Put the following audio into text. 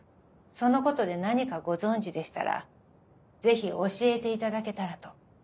そのことで何かご存じでしたらぜひ教えていただけたらと。